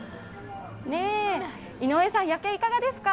井上さん、夜景いかがですか？